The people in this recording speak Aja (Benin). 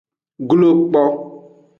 Glo kpo.